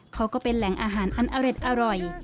ก็เป็นแหล่งอาหารอันอร่อย